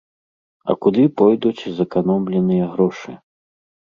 А куды пойдуць зэканомленыя грошы?